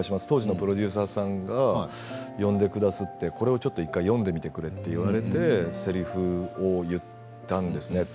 当時のプロデューサーさんが呼んでくださってこれを１回読んでみてくれと言われてせりふを言ったんですね。